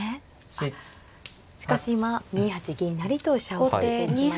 あっしかし今２八銀成と飛車を取っていきました。